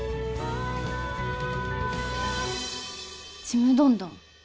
「ちむどんどん」。